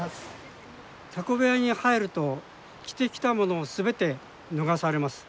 タコ部屋に入ると着てきたものを全て脱がされます。